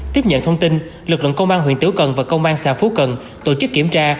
tiếp nhận thông tin lực lượng công an huyện tiểu cần và công an xã phú cần tổ chức kiểm tra